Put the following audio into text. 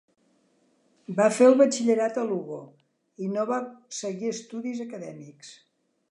Va fer el batxillerat a Lugo, i no va seguir estudis acadèmics.